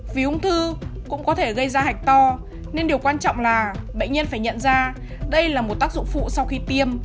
vì ung thư cũng có thể gây ra hạch to nên điều quan trọng là bệnh nhân phải nhận ra đây là một tác dụng phụ sau khi tiêm